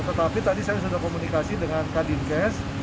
tetapi tadi saya sudah komunikasi dengan kadinkes